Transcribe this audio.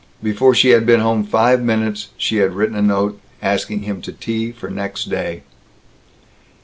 Before she had been home five minutes she had written a note asking him to tea for next day.